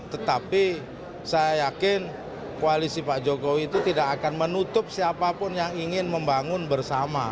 tetapi saya yakin koalisi pak jokowi itu tidak akan menutup siapapun yang ingin membangun bersama